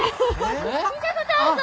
見たことあるぞ。